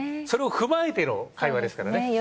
それを踏まえての会話ですからね。